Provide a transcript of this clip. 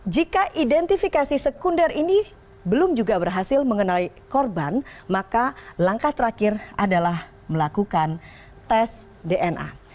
jika identifikasi sekunder ini belum juga berhasil mengenai korban maka langkah terakhir adalah melakukan tes dna